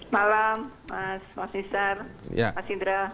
malam mas mas nizar mas indra